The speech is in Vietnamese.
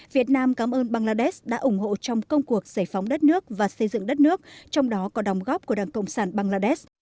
việt nam cảm ơn bangladesh đã ủng hộ trong công cuộc giải phóng đất nước và xây dựng đất nước trong đó có đồng góp của đảng cộng sản bangladesh